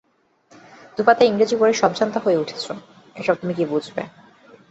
দুপাতা ইংরেজি পড়ে সবজান্তা হয়ে উঠেছ, এসব তুমি কী বুঝবে?